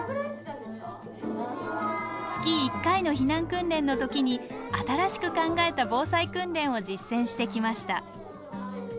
月１回の避難訓練の時に新しく考えた防災訓練を実践してきました。